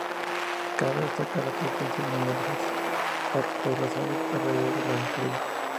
Cabe destacar la presencia de numerosos arrozales alrededor de la localidad.